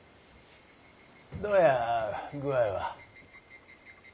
どうや具合は。